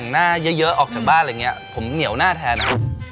หน้าเยอะออกจากบ้านอะไรอย่างนี้ผมเหนียวหน้าแทนนะ